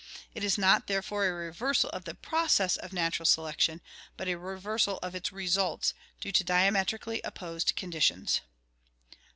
It is not, there fore, a reversal of the process of natural selection, but a reversal of its results due to diametrically opposed conditions.